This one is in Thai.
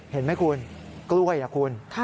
เห็นไหมคุณกล้วยคุณ